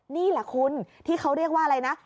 นี่แหละคุณที่เขาเรียกว่าอะไรนะ